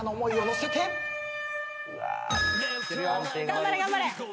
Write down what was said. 頑張れ頑張れ。